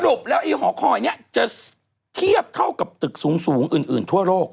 สรุปแล้วหอคอยจะเทียบเท่ากับตึกสูงอื่นทั่วโลก